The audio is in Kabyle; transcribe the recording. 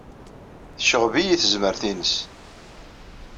Tecɣeb-iyi tezmert-nnes.